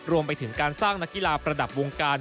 รวมไปถึงการสร้างนักกีฬาประดับวงการ